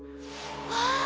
わあ！